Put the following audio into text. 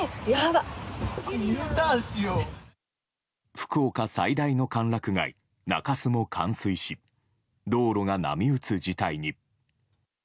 福岡最大の歓楽街中洲も冠水し道路が波打つ事態に。